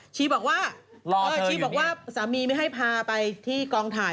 ชี้บอกว่าสามีไม่ให้พาไปที่กองถ่าย